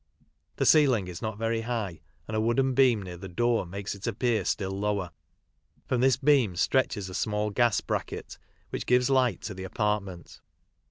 The ceiling is not very high, and a wooden beam near the door makes it appear still lower. From this beam stretches a small gas bracket, which gives light to the apartment.